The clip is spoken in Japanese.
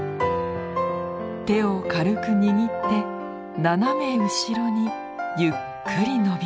手を軽く握って斜め後ろにゆっくり伸びます。